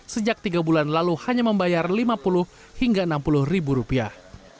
sejak tiga bulan lalu hanya membayar lima puluh hingga enam puluh ribu rupiah